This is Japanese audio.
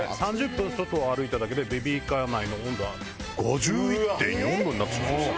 分外を歩いただけでベビーカー内の温度は５１．４℃になってしまいました。